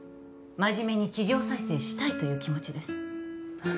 真面目に企業再生したいという気持ちです